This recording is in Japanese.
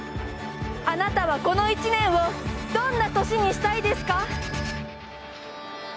あなたは、この１年をどんな年にしたいですか？